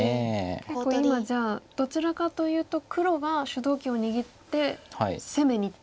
結構今じゃあどちらかというと黒が主導権を握って攻めにいってる。